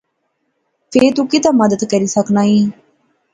فہ تو کیہہ مدد کری سکنائیں